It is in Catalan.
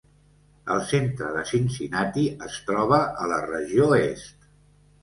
El centre de Cincinnati es troba a la regió est.